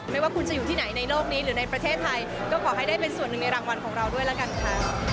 ไม่ว่าคุณจะอยู่ที่ไหนในโลกนี้หรือในประเทศไทยก็ขอให้ได้เป็นส่วนหนึ่งในรางวัลของเราด้วยแล้วกันค่ะ